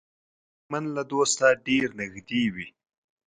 دښمن له دوسته ډېر نږدې وي